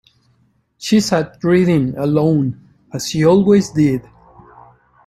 She sat reading, alone, as she always did.